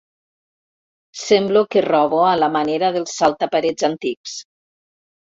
Semblo que robo a la manera dels salta-parets antics.